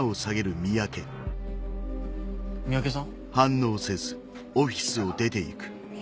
三宅さん？